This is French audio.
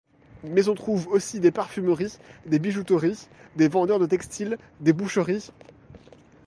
Mais on trouve aussi des parfumeries, des bijouteries, des vendeurs de textiles, des boucheries...